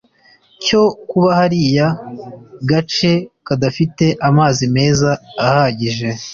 cyo kuba kariya gace kadafite amazi meza ahagije